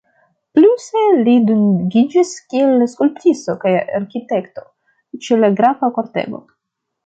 Pluse li dungiĝis kiel skulptisto kaj arkitekto ĉe la grafa kortego.